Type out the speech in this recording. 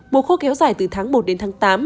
mùa khô kéo dài từ tháng một đến tháng tám